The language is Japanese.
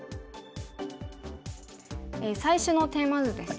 最初のテーマ図ですね。